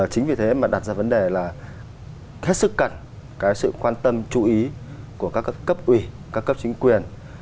chính vì thế mà đặt ra vấn đề là hết sức cần sự quan tâm chú ý của các cấp ủy các cấp chính quyền